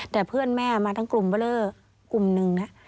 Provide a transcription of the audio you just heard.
แต่เพื่อนแม่มาทั้งกลุ่มเบอร์เลอร์กลุ่มหนึ่งนะ